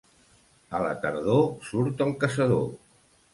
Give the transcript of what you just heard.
A la tardor surt el caçador.